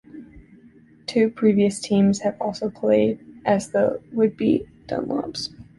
Two previous teams have also played as the Whitby Dunlops.